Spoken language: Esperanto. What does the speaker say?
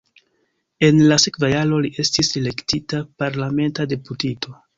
En la sekva jaro li estis elektita parlamenta deputito.